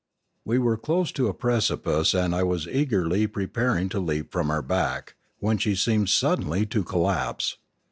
We were close to a precipice and I was eagerly pre paring to leap from her back, when she seemed sud denly to collapse.